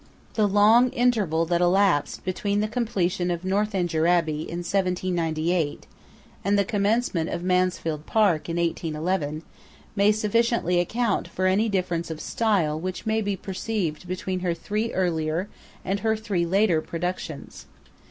The long interval that elapsed between the completion of 'Northanger Abbey' in 1798, and the commencement of 'Mansfield Park' in 1811, may sufficiently account for any difference of style which may be perceived between her three earlier and her three later productions.